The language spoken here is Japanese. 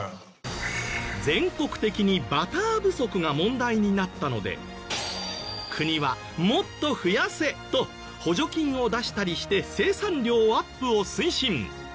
全国的にバター不足が問題になったので国はもっと増やせ！と補助金を出したりして生産量アップを推進。